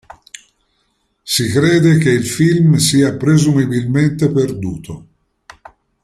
Si crede che il film sia presumibilmente perduto.